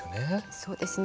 そうですね。